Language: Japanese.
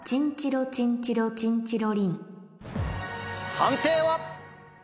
判定は？